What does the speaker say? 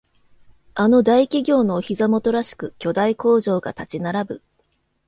あの大企業のお膝元らしく巨大工場が立ち並ぶ